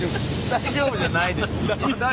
大丈夫じゃないです。